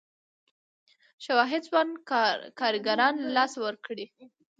شواهد ځوان کارګران له لاسه ورکړي.